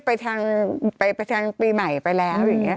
ไปทางปีใหม่ไปแล้ว